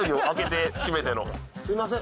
すいません。